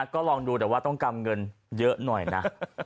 ก็ลองดูแต่ว่าต้องกำเงินเยอะหน่อยนะ